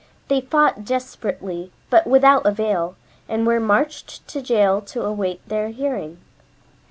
They fought desperately, but without avail, and were marched to jail to await their hearing.